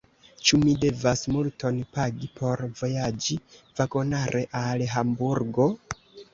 Ĉu mi devas multon pagi por vojaĝi vagonare al Hamburgo?